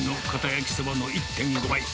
焼きそばの１．５倍。